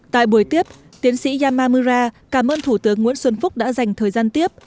tại buổi tiếp tiến sĩ yamamura cảm ơn thủ tướng nguyễn xuân phúc đã dành thời gian tiếp